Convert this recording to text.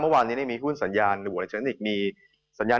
ไม่ว่าวันนี้มีหุ้นสัญญาณเงินหัวในเช็นนึกแบบ